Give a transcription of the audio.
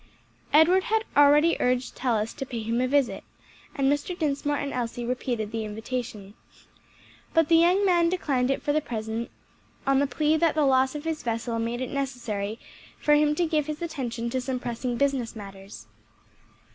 Edward had already urged Tallis to pay him a visit, and Mr. Dinsmore and Elsie repeated the invitation. But the young man declined it for the present, on the plea that the loss of his vessel made it necessary for him to give his attention to some pressing business matters.